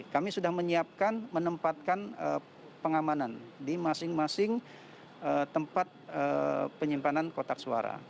kami sudah menyiapkan menempatkan pengamanan di masing masing tempat penyimpanan kotak suara